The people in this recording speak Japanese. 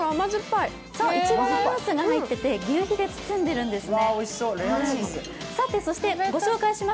いちごのムースが入ってて求肥で包んでいるんですね。